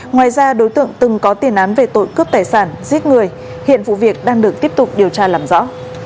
ngoài ra đối tượng từng có tiền án về tội cướp tài sản giết người hiện vụ việc đang được tiếp tục điều tra làm rõ